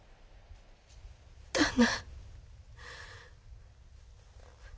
旦那。